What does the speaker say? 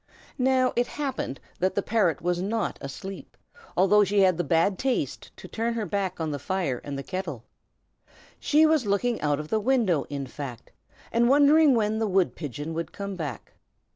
Now it happened that the parrot was not asleep, though she had had the bad taste to turn her back on the fire and the kettle. She was looking out of the window, in fact, and wondering when the wood pigeon would come back.